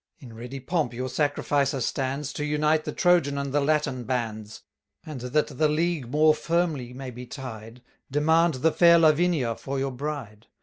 In ready pomp your sacrificer stands, To unite the Trojan and the Latin bands, And, that the league more firmly may be tied, Demand the fair Lavinia for your bride.